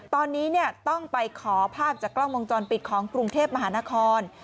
ตอนนี้ต้องไปขอภาพจากกล้องวงจรปิดของกรุงเทพมหานคร